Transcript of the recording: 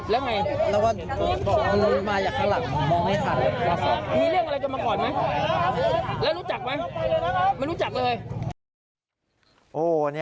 แล้วไงมีเรื่องอะไรจะมาก่อนไหมแล้วรู้จักไหมไม่รู้จักเลย